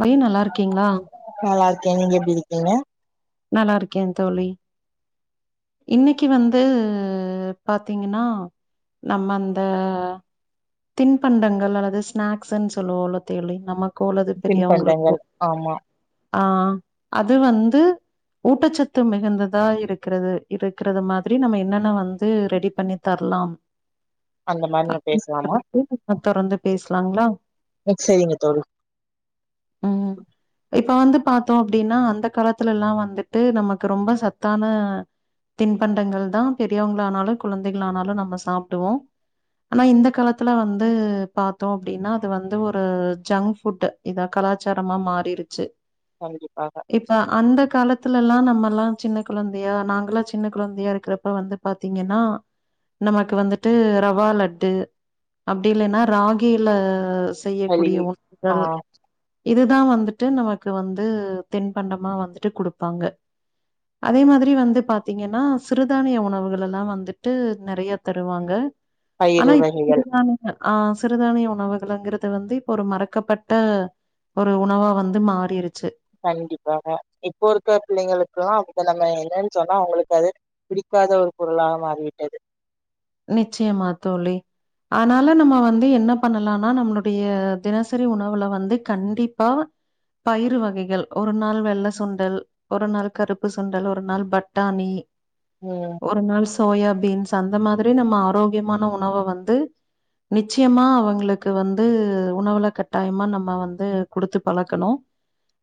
வை நல்லா இருக்கீங்ளா அ நல்லா இருக்கே நீங்க எப்டி இருக்கீங்க நல்லாருக்கே தோழி இன்னைக்கு வந்து பாத்தீங்கனா நம்ம அந்த தின்பண்டங்கள் அல்லது ஸ்நாக்ஸ்ன் சொல்லுவோல தோழி நமக் கோலது பெரிய உங்களுக்கு தின்பண்டங்கள் ஆமா ஆ அது வந்து ஊட்டச்சத்து மிகுந்ததா இருக்கிறது இருக்கிறது மாதிரி நம்ம என்னென்ன வந் து ரெடி பண்ணி தரலாம் அந்த மாரி நா பேசலாமா அத்தரந்து பேசலாங்ளா ம் சரிங்க தோழி ம் இப்ப வந்து பாத்தோ அப்டினா அந்த காலத்துலல்லா வந் துட்டு நமக்கு ரொம்ப சத்தான தின்பண்டங்கள் தா பெரியவங்களானாலு குழந்தைகள் ஆனாலு நம்ம சாப்டுவோ ஆனா இந்த காலத்துல வந்து பாத்தோ அப்டினா அது வந்து ஒரு ஜங்க் ஃபுட்டு இதா கலாச்சாரமா மாறிடுச்சு கண்டிப்பாக இப்ப அந்த காலத் த்துலல்லா நம்மல்லா சின்ன கொழந்தையா நாங்கல்லா சின்ன கொழந்தையா இருக்கிறப்ப வந்து பாத்தீங்கனா நமக்கு வந்துட்டு ரவா லட்டு அப்டி இல்லன்னா ராகில களி செய்யக்கூடிய ஆ ஒருக்கல் இதுதா வந்துட்டு நமக்கு வந்து தின்பண்டமா வந்துட்டு குடுப்பாங்க அதே மாதிரி வந்து பாத்தீங்கன்னா சிறுதானிய உணவுகள் எல்லா வந்துட்டு நெறைய தருவாங்க ஆனா பயிறு வகைகள் [unintelligible] ஆ சிறுதானிய உணவுகள்ங்கிறது வந்து இப்ப ஒரு மறக்கப்பட்ட ஒரு உணவா வந்து மாறிருச்சு கண்டிப்பாக இப்போ இருக்க பிள்ளைங்களுக்கெல்லா அங்க நம்ம என்னன் சொன்னா அவங்களுக்கு அது பிடிக்காத ஒரு பொருளாக மாறிவிட்டது நிச்சயமா தோழி ஆனாலு நம்ம வந்து என்ன பண்ணலானா நம்மளுடைய தினசரி உணவுல வந்து கண்டிப்பா பயிறு வகைகள் ஒரு நாள் வெள்ள சுண்டல் ஒரு நாள் கருப்பு சுண்டல் ஒரு நாள் பட்டாணி ம் ஒரு நாள் சோயா பீன்ஸ் அந்த மாதிரி நம்ம ஆரோக்கியமான உணவ வந்து நிச்சயமா அவங்களுக்கு வந்து உணவுல கட்டாயமா நம்ம வந்து குடுத்து பழக்கணு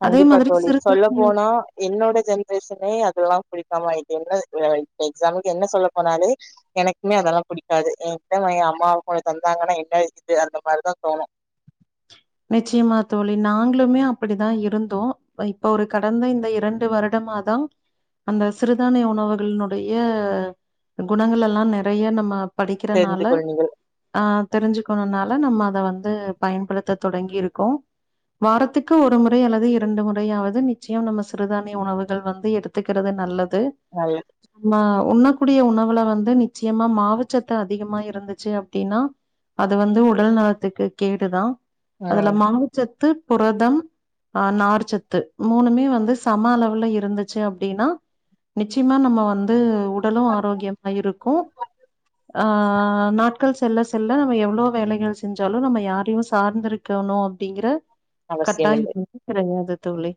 கண்டிப்பா தோழி சொல்ல போனா என்னோட ஜென்ரேஷனே அதெல்லா பிடிக்காம ஆயிட்டு என்ன எக்ஸாம்பிளுக்கு என்ன சொல்ல போனாலே எனக்குமே அதெல்லா புடிக்காது என்கிட்ட எ அம்மாவு கொஞ்ச தந்தாங்கன்னா என்ன இருக்குது அந்த மாரிதா தோணு நிச்சயமா தோழி நாங்களுமே அப்டிதா இருந்தோ இப்ப ஒரு கடந்த இந்த இரண்டு வருடமா தா அந்த சிறுதானிய உணவுகளினுடைய குணங்கள் எல்லா நெறைய நம்ம தெரிந்து படிக்கிறனால கொள் நீங்கள் ஆ தெரிஞ்சுக்கணுனால நம்ம அத வந்து பயன்படுத்த தொடங்கி இருக்கோ வாரத்துக்கு ஒரு முறை அல்லது இரண்டு முறையாவது நிச்சயம் நம்ம சிறுதானிய உணவுகள் வந்து எடுத் துக்கிறது நல்லது [unintelligible] ம உண்ணக்கூடிய உணவுல வந்து நிச்சயமா மாவுச்சத்து அதிகமா இருந்துச்சு அப்டின்னா அது வந்து உடல் நலத்துக்கு கேடுதா அதுல ம் மாவுச்சத்து புரதம் ஆ நார்ச்சத்து மூணுமே வந்து சம அளவுல இருந்துச்சு அப்டின்னா நிச்சயமா நம்ம வந்து உடலு ஆரோக்கியமா இருக்கு அ நாட் கள் செல்ல செல்ல நம்ம எவ்ளோ வேலைகள் செஞ்சாலு நம்ம யாரையு சார்ந்திருக்கணு அப்டிங்கிற அவசியம் கட்டாய இல்லை ங்கிறது கெடயாது தோழி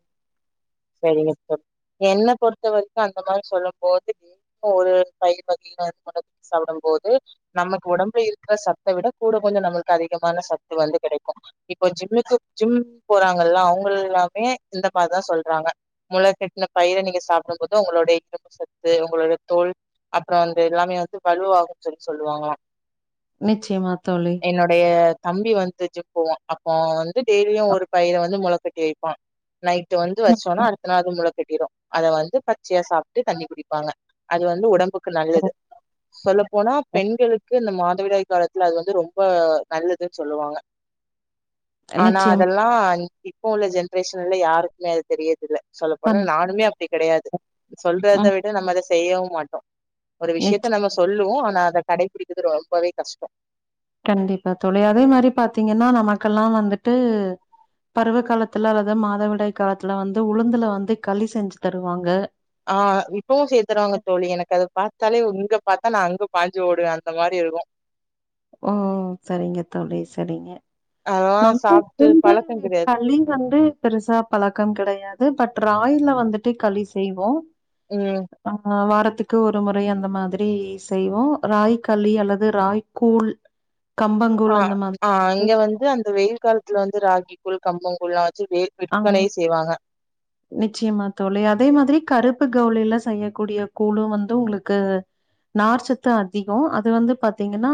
சரிங்க தோழி என்ன பொறுத்த வரைக்கு அந்த மாரி சொல்லும் போது ஒரு பயிர் பாத்தீங்கன்னா தொடர்ந்து சாப்டும் போது நமக்கு ஒடம்புல இருக்ற சத்த விட கூட கொஞ்சோ நம்மளுக்கு அதிகமான சத்து வந்து கெடைக்கும் இப்போ ஜிம்முக்கு ஜிம் போறாங்கல்ல அவங்களல்லாமே இந்த மரிதா சொல் றாங்க மொளகட்ன பயிர நீங்க சாப்டும் போது உங்களோட இரும்பு சத்து உங்களோட தோல் அப்றோ அந்த இதெல்லாமே வந்து வலுவாகும்ன்னு சொல்லி சொல்லுவாங்களா நிச்சயமா தோழி என்னுடைய தம்பி வந்து ஜிம் போவா அப்போ வந்து டெய்லியு ஒரு பயிர வந்து மொள கட்டி வைப்பா நைட் வந்து ம், வச்சோனா ம், அடுத்த நாள் முழுக் கட்டிரு அத வந்து பச்சையா சாப்ட்டு தண்ணி குடிப்பாங்க அது வந்து ஒடம்புக்கு ம், நல்லது சொல்லப்போனா ம். பெண்களுக்கு இந்த மாதவிடாய் காலத்துல அது வந்து ரொம்ப நல்லதுனு சொல்வாங்க ஆனா நிச்சயம் அதெல்லா இப்போ உள்ள ஜென்ரேஷன்ல யாருக்குமே அது தெரியது இல்ல சொல்லப்போனா கண் நானுமே அப்டி கெடையாது சொல்றத ம் விட நம்ம அத செய்யவு மாட்டோ ஒரு நிச்ச விஷயத்த நம்ம சொல்லுவோ ஆனா அத கடைபிடிக்கறது ரொம்பவே கஷ்டோ கண்டிப்பா தொழி அதே மாரி பாத்தீங்கன்னா நமக்கெல்லா வந்துட்டு பருவ காலத்துல அல்லது மாதவிடாய் காலத்துல வந்து உளுந்துல வந்து களி செஞ்சு தருவாங்க ஆ இப்பவு செய்த்தருவாங்க தோழி எனக்கு அது பாத்தாலே இங்க பாத்தா நா அங்க பாஞ்சு ஓடுவே அந்த மாரி இருக்கும் ஓ சரிங்க தோழி சரிங்க அதெல்லா நம்ம [inaudible] சாப்ட்டு இருந்து பழக்கம் கெடையாது களி வந்து பெருசா பழக்கம் கெடையாது பட் ராகில வந்துட்டு களி செய்வோ ம் ஆ வாரத்துக்கு ஒரு மொறை அந்த மாரி செய்வோ ராகி களி அல்லது ராகிக்கூழ் அ ஆ இங்க வந்து அந்த வெயில் கால வந்து ராகிக்கூழ் கம்பங்கூழ்லா வச்சு வே ஆ விற்பனையே செய்வாங்க நிச்சயமா தோழி அதே மாதிரி கருப்பு கவுனில செய்யக்கூடிய கூழு வந்து உங்களுக்கு நார்ச்சத்து அதிகம் அது வந்து பாத்தீங்கன்னா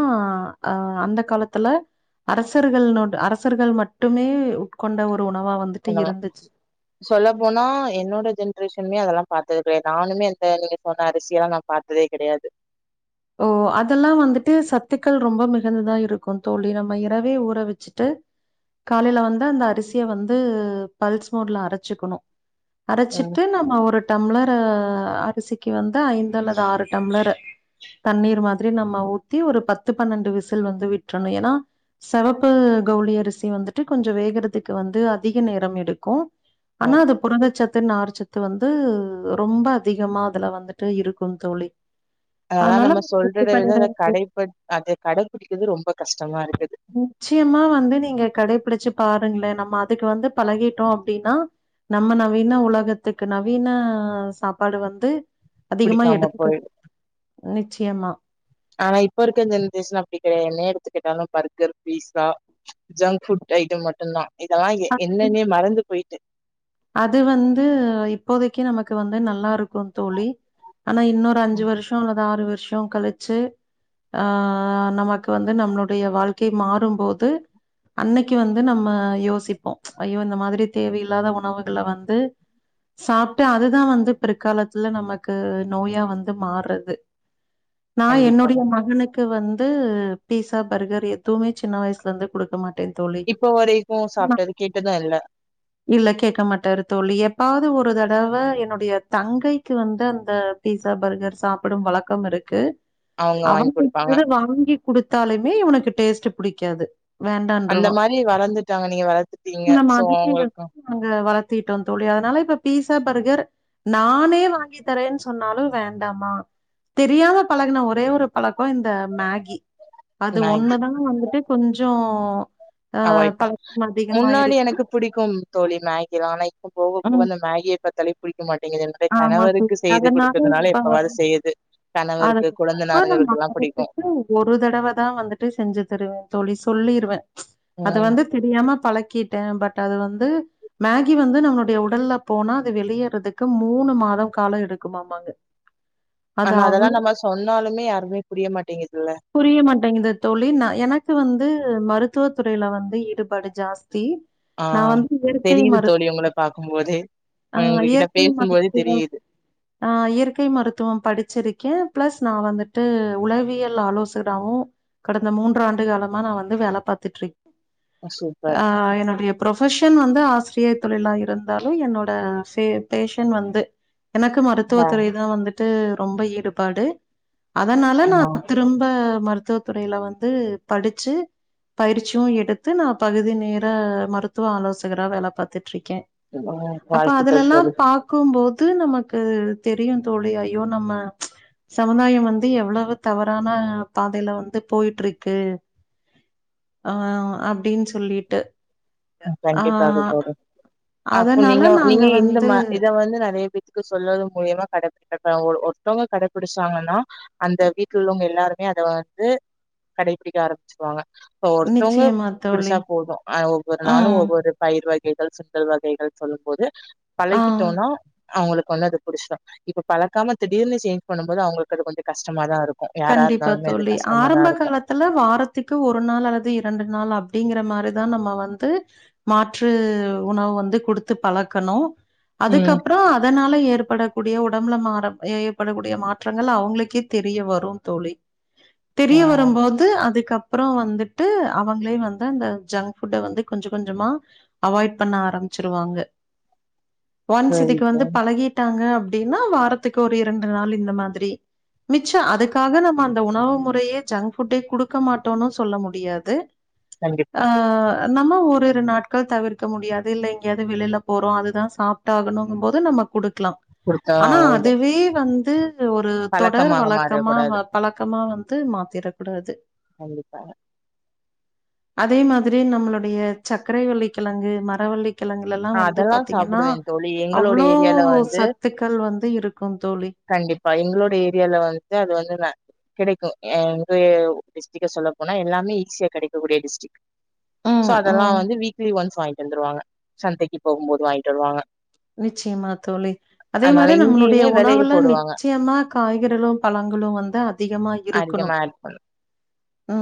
அ அந்த காலத்துல அரசர்கள் லோட அரசர்கள் மட்டுமே உட்கொண்ட ஒரு உணவா வந்து ஆனா சொல்ல போனா என்னோட ஜென்ரேஷன்மே அதெல்லா பாத்தது கெடயாது நானுமே அந்த நீங்க சொன்ன அரிசியெல்லா நா பாத் ததே கெடையாது ஓ அதெல்லாம் வந்துட்டு சத்துக்கள் ரொம்ப மிகுந்ததா இருக்கு தோழி நம்ம இரவே ஊற வச்சுட்டு காலைல வந்து அந்த அரிசிய வந்து பல்ஸ் மோட்ல அரச்சுக்கணு ம் அரச்சிட்டு நம்ம ஒரு டம்ளர் அரிசிக்கு வந்து ஐந்து அல்லது ஆறு டம்ளர் தண்ணீர் மாதிரி நம்ம ஊத்தி ஒரு பத்து பன்னெண்டு விசில் வந்து வி்ட்றணு ஏன்னா சிவப்பு கவுளி அரிசி வந்துட்டு கொஞ்சம் வேகறதுக்கு வந்து அதிக நேரம் எடுக்கும் ஆனா ம் அது புருந்தச்சத்து நார்ச்சத் து வந்து ரொம்ப அதிகமா அதுல வந்துட்டு இருக்கு தோழி அதுதா அதனால நம்ம சொல்றத வித அத கடைப்பட் அத கடைபிடிக்கிறது ரொம்ப கஷ்டமா இருக்குது நிச்சயமா வந்து நீங்க கடைபிடிச்சு பாருங்களேன நம்ம அதுக்கு வந்து பழகிட்டோ அப்டின்னா நம்ம நவீன உலகத்துக்கு நவீன சாப்பாடு வந்து அதிகமா பிடிக்காம எடுத்துக்க போயிடு நிச்சயமா ஆனா இப்ப இருக்க ஜெனரேஷன் அப்டி கெடையா என்ன எடுத்துக்கிட்டாலு burger pizza junk food item மட்டுதா இதெல்லா என்னன்னே மறந்து போயிட்டு அது வந்து இப்போதைக்கு நமக்கு வந்து நல்லா இருக் கு தோழி ஆனா இன்னொரு அஞ்சு வருஷொ அல்லது ஆறு வருஷொ கழ ச்சு ஆ நமக்கு வந்து நம்மளுடைய வாழ்க்கை மாறும்போது அன்னைக்கு வந்து நம்ம யோசிப்போ ஐயோ இந்த மாதிரி தேவையில்லாத உணவுகள வந்து சாப்ட்டு அதுதா வந்து பிற்காலத்துல நமக்கு நோயா வந்து மார்றது [unintelligible] நா என்னுடைய மகனு க்கு வந்து பீஸா பர்கர் எதுவுமே சின்ன வயசுல இருந்து குடுக்க மாட்டே இப்ப வரைக்கு சாப்ட்டது கேட்டது இல்ல இல்ல கேக்க மாட்டேரு தோழி எப்பாவ்து ஒரு தடவ என்னுடைய தங்கைக்கு வந்து அந்த பீஸா பர்கர் சாப்பிடும் வழக்கம் இருக்கு அவங்க வாங்கி குடுப்பாங்க அவங்ககிடந்து வாங்கி குடுத்தாலுமே இவனுக்கு டேஸ்ட்டு புடிக்காது அந்த வேண்டான்ருவான். மாரி வளர்ந்துட்டாங்க நீங்க வளத்துட்டீங்க இந்த சோ மாதிரி அவுங்களுக்கு வந்து நாங்க வளர்த்திட்டோ தோழி அதனால இப்போ பீஸா பர்கர் நானே வாங்கி தரேன் சொன்னாலு வேண்டாமா தெரியாம பழகுன ஒரே ஒரு பழக்கொ இந்த மேகி அது மேகி ஒண்ணுதா வந்துட்டு கொஞ்சோ அவாய்ட் ப முன்னாடி எனக்கு பிடிக்கும் தோழி மேகிலா ஆனா இப்பொ போக போக ம். அந்த மேகிய பாத்தாலே பிடிக்க மாட்டேங்குது என் னுடைய ஆமா கணவருக்கு தோழி. செய்து அதனால கொடுக்கறதுனால இப்ப எப்பவாது செய்யுது அத கனவருக்கு இப்ப நான் கொழந்தனாருங்களுக்கெல்லா பிடிக்கு மாதத்துக்கு ஒரு தடவ தா வந்துட்டு செஞ்சு தருவே தோழி சொல்லிருவே அது ம் வந்து தெரியாம பழக்கிட்டே பட் அது வந்து மேகி வந்து நம்ளுடைய உடல்ல போனா அது வெளியேறதுக் மூணு மாதோ காலொ எடுக்குமாமாங்க அது ஆனா அதெல்லா அவ்ளோ நம்ம சொன்னாலுமே யாருமே புரிய மாட்டேங்குதுல்ல புரிய மாட்டேங்குது தோழி நா எனக்கு வந்து மருத்துவ துறையில வந்து ஈடுபாடு ஜாஸ்தி ஆ நான் வந்து இயற்கை தெரியுது மருத் தோழி உங்கள பாக்கும்போதே அ உங்களுக்கிட்ட இயற்கை மரு பேசும்போதே தெரியுது [unintelligible] ஆ இயற்கை மருத்துவம் படிச்சிருக்கே பிளஸ் நா வந்துட்டு உளவியல் ஆலோசறாவு கடந்த மூன்று ஆண்டு காலமா நா வந்து வேல பாத்துட்டுருக் சூப்பர் ஆ என்னுடைய ப்ரொஃபஷன் வந்து ஆசிரியர் தொழிலா இருந்தாலு என்னோட ஃபே பேஷன் வந்து எனக்கு ஆ மருத்துவத்துறை தா வந்துட்டு ரொம்ப ஈடுபாடு அதனால ஆ நா திரும்ப மருத்துவ துறையில வந்து படிச்சு பயிற்சியு எடுத்து நா பகுதி நேர மருத்துவ ஆலோசகரா வேல பாத்துட்டுருக்கே அப்ப வாழ்த்துக்கள் அதுலல்லா தோழி பாக்கும்போது நமக்கு தெரியு தோழி ஐயோ நம்ம சமுதாயம் வந்து எவ்வளவு தவறான பாதையில வந்து போயிட்டுருக்கு ஆ அப்டின் சொல்லிட்டு ஆ கண்டிப்பாக தோழி அதனால நாங்க வந் ஆமா இத வந்து நெறைய பேத்துக்கு சொல்வது மூலியமா கடைபிடித்தவ்ங்க ஒ ஒருத்தவங்க கடைப்பிடிச்சாங்கன்னா அந்த வீட்ல உள்ளவங்க எல்லாருமே அத வந்து கடைபிடிக்க ஆரம்பிச்சிருவாங்க இப்ப ஒருத்தவங்க நிச்சயமா பிடிச்சா தோழி போது அ ஒவ்வொரு நாளு ம் ஒவ்வொரு பயிர் வகைகள் சுண்டல் வகைகள் சொல்லும் போது ஆ பழகிட்டோனா அவுங்களுக்கு வந்து அது புடிஸ்ரு இப்ப பழக்காம திடீர்னு சேஞ்ச் பண்ணும் போது அவுங்களுக்கு அது கொஞ்சோ கஷ்டமா தா இருக் கண்டிப்பா தோழி ஆரம்ப காலத் துல வாரத்துக்கு ஒரு நாள் அல்லது இரண்டு நாள் அப்டிங்கிற மாரிதா நம்ம வந்து மாற்று உணவு வந்து குடுத்து பழக்கணு ம் அதுக்கப்றோ அதனால ஏற்பட கூடிய உடம்புல மாற எ ஏற்படக்கூடிய மாற்றங்கள் அவுங்களுக்கே தெரிய வரு தோழி ஆ தெரிய வரும்போ து அதுக்கப்புறோ வந்துட்டு அவங்களே வந்து அந்த ஜங்க் ஃபுட்ட வந்து கொஞ்ச கொஞ்சமா அவாய்ட் பண்ண ஆரம்பிச்சிருவாங்க ஒன்ஸ் இதுக்கு சரிப்பா வந்து பழகிட் டாங்க அப்டின்னா வாரத்துக்கு ஒரு இரண்டு நாள் இந்த மாதிரி மிச்ச அதுக் காக நம்ம அந்த உணவு முறையே ஜங்க் ஃபுட்டே குடுக்க மாட்டோனு சொல்ல முடியாது கண்டிப்பா ஆ நம்ம ஒரு ஒரு நாட்கள் தவிர்க்க முடியாது இல்ல எங்கேயாது வெளில போறோ அதுதா சாப் ட்டாகனுன்னும் போது நம்ம குடுக்லா குடுத்தாதா ஆனா ஆகணு அதுவே வந்து ஒரு தொடர் பழக்கமாக வழக்கமா மாறக்கூடாது வ பழக்கமா வந்து மாத்திறக் கூடாது கண்டிப்பாக அதே மாதிரி நம்மளுடைய சர்க்கரைவள்ளி கிழங்கு மரவள்ளிக் கிழங்குலலா ஆ வந்து அதெல்லா பாத்தீங்கன்னா சாப்பிடுவே தோழி எங்களோட அவ்வளோ ஏரியால வந்து சத்துக்கள் வந்து இருக்குந் தோழி கண்டிப்பா எங்களோடய ஏரியால வந்து அது வந்து நா கெடைக்கு அ எங்கைய டிஸ்ட்ரிக சொல்ல போனா எல்லாமே ஈஸியா கெடைக்கக்கூடிய டிஸ்ட்ரிக் சோ ம், அதெல்லா ம். வந்து வீக்லி ஒன்ஸ் வாய்ன்ட் வந்துருவாங்க சந்தைக்கு போகும்போது வாய்ன்ட் வருவாங்க நிச்சயமா தோழி அதே அதனால மாரி நம்மளுடைய இங்கேயுமே வெலைய உணவுல போடுவாங்க நிச்சயமா காய்கறிகளு பழங்களு வந்து அதிகமாய் அதிகமா ஆட் பண்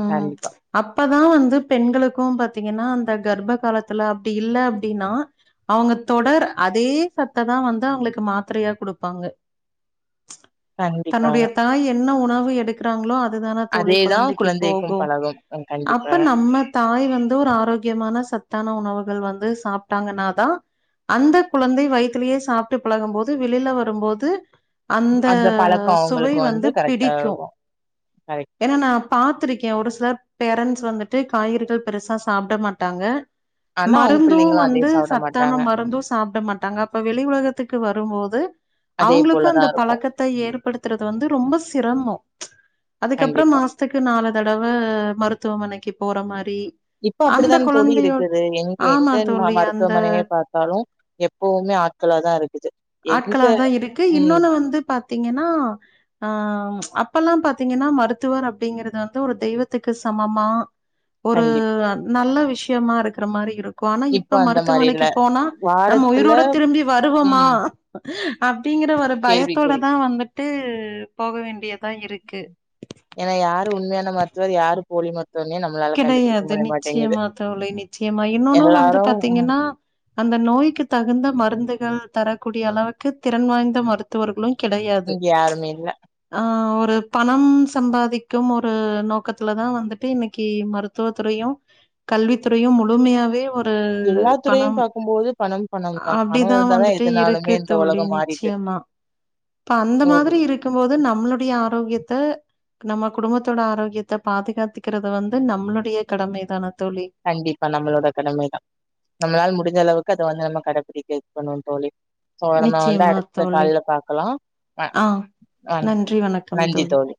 கண்டிப்பா அப்பதா வந்து பெண்களுக்கு பாத்தீங்கன்னா அந்த கர்ப்ப காலத்துல அப்டி இல்ல அப்டினா அவுங்க தொடர் அதே சத்ததா வந்து அவுங்களுக்கு மாத்திரையா குடுப்பாங்க கண்டிப்பாக தன்னுடைய தாய் என்ன உணவு எடுக் கிறாங்களோ அதுதான தோழி அதேதா குழந்தைக்கு குழந்தைக்கும் போகு பழகும் அப்ப கண்டிப்பா நம்ம தாய் வந்து ஒரு ஆரோக்கியமான சத்தான உணவுகள் வந்து சாப்ட்டாங்கனாதா அந்த குழந்தை வயித்துலயே சாப்ட்டு பழகும் போது வெளியில வரும்போது அந்த சுவை வந்து பிடிக்கு பாய் ஏனா நா பாத்திருக்கே ஒரு சிலர் பேரண்ஸ் வந்துட்டு காய்கறிகள் பெருசா சாப்ட மாட்டாங்க ஆனா அவங்க மருந்து பிள்ளைங்களும் அதே வந்து சாப்பிட சத்தான மாட்டாங்க. மருந்து சாப்ட மாட்டாங்க அப்ப வெளி உலகத்துக்கு வரும்போது அதே அவுங்களுக்கு போல அந்த தான் இருக்கும். பழக்கத்த ஏற்படுத்துறது வந்து ரொம்ப சிரமோ அதுக்கப்புறம் கண்டிப்பா. மாஸ்த்துக்கு நாலு தடவ மருத்துவமனைக்கு போற மாரி இப்ப அந்த அப்படிதான் தோழி குழந்தையோ இருக்குது எங்க ஆமா எந்த ம தோழி. அந்த மருத்துவமனையே பாத் வரு ஏப்போமே ஆட்களா தா இருக்குது எங்க ஆட்களாதா இருக்கு ம் இன்னொன்னு வந்து பாத்தீங்கன்னா ஆ அப்பல்லா பாத்தீங்கன்னா மருத்துவர் அப்டிங்கிறது வந்து ஒரு தெய்வத்துக்கு சமமா ஒரு கண்டிப் நல்ல விஷயமா இருக்கிற மாரி இருக் கு ஆனா இப்ப அந்த மாரி இல்ல. மருத்துவமனைக்கு போனா நம்ம வாரத்துல உயிரோட திரும்பி வருவோமா ம் அப்டிங்கற ஒரு பயத்தோட கேள்விக்குறி. தா வந்துட்டு போக வேண்டியதா இருக்கு ஏன்னா யாரு உண்மையான மருத்துவர் யாரு போலி மருத் துவர்னே நம்ளா கெடையாது நிச்சயமா தோழி நிச்சயமா இன்னொன்னு வந்து எல்லாரும் ம் பாத்தீங்கன்னா அந்த நோய்க்கு தகுந்த மருந்துகள் தரக்கூடிய அளவுக்கு திறன் வாய்ந்த மருத் துவர்களு கெடையாது இங்க யாருமே இல்ல. ஆ ஒரு பணம் சம்பாதிக்கும் ஒரு நோக்கத்துல தா வந்துட்டு இன்னைக் கி மருத்துவ துறையு கல்வித்துறையு முழுமையாவே ஒ ரு எல்லா துறையும் பணம் பார்க்கும்போது பணம், பணம் தான். பணம் அப்டிதா இருந்தா தான் வந்துட்டு இருக்கு எதுனாலுமே இந்த தோழி உலகம் மாறிட்டு. நிச்சயமா இப்ப அந்த ம் மாதிரி இருக்கும் போது நம்மளுடைய ஆரோக்கியத்த நம்ம குடும்பத்தோட ஆரோக்கியத்த பாதுகாத்துக்கிறது வந்து நம்ளுடைய கடமைதான தோழி கண்டிப்பா நம்மளோட கடமைதா நம்மளால் முடிஞ்ச அளவுக்கு அத வந்து நம்ம கடப்பிடிக்க வைக்கணு தோழி சோ நம்ம வந்து நிச்சயமா அடுத்த தோழி கால்ல பாக்கலா அ ஆ வணக்கம் நன்றி தோழி